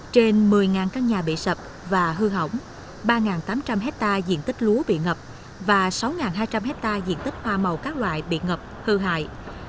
trên một mươi căn nhà bị sập và hư hỏng ba tám trăm linh hectare diện tích lúa bị ngập và sáu hai trăm linh hectare diện tích hoa màu các loại bị ngập hư hại